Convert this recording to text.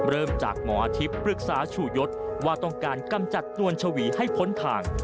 เริ่มจากหมออาทิตย์ปรึกษาชูยศว่าต้องการกำจัดนวลชวีให้พ้นทาง